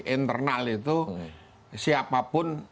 internal itu siapapun